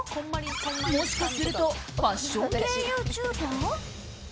もしかするとファッション系ユーチューバー？